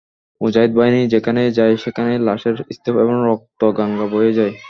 মুজাহিদ বাহিনী যেখানেই যায় সেখানেই লাশের স্তূপ এবং রক্তগঙ্গা বয়ে যায়।